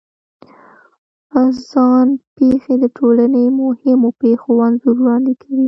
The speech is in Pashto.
ځان پېښې د ټولنې د مهمو پېښو انځور وړاندې کوي.